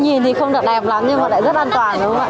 nhìn thì không đẹp lắm nhưng mà lại rất an toàn